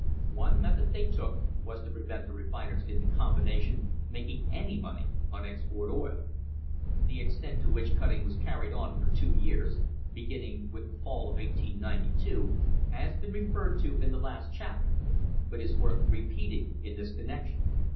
One method they took was to prevent the refiners in the combination making any money on ex port oil. The extent to which cutting was carried on for two years, beginning with the fall of 1892, has been referred to in the last chapter, but is perhaps worth repeating in this connec tion.